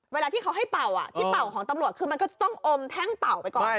เวลาที่เขาให้เป่าที่เป่าของตำรวจคือมันก็จะต้องอมแท่งเป่าไปก่อน